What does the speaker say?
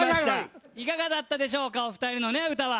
いかがだったでしょうかお２人の歌は。